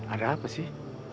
ada apa sih